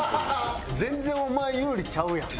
全然お前有利ちゃうやん。